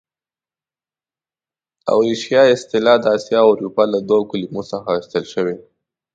اوریشیا اصطلاح د اسیا او اروپا له دوو کلمو څخه اخیستل شوې.